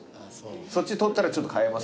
そっち取ったらちょっと変えますけど。